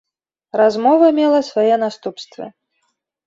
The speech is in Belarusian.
Размова мела свае наступствы.